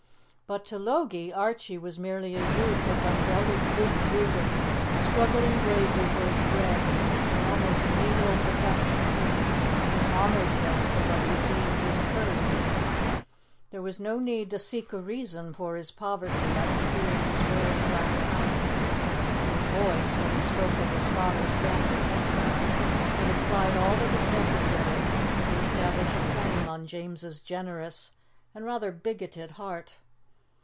But to Logie, Archie was merely a youth of undoubted good breeding struggling bravely for his bread in an almost menial profession, and he honoured him for what he deemed his courage. There was no need to seek a reason for his poverty after hearing his words last night. His voice, when he spoke of his father's death in exile, had implied all that was necessary to establish a claim on James's generous and rather bigoted heart.